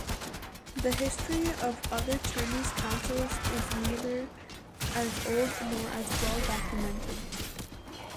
The history of other Chinese councils is neither as old nor as well documented.